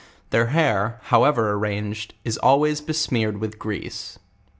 Their hair, however arranged, is always besmeared with greese.